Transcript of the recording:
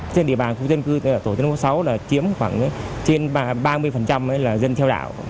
trên địa bàn khu dân cư tổ chức năm hai nghìn sáu là chiếm khoảng trên ba mươi là dân theo đảng